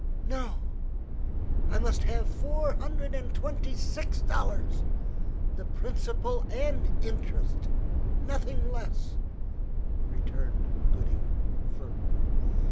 "No, I must have four hundred and twenty six dollars, the principal and interest. Nothing less," returned Gooding firmly.